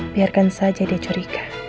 biarkan saja dia curiga